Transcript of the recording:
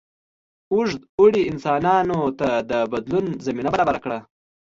اوږد اوړي انسانانو ته د بدلون زمینه برابره کړه.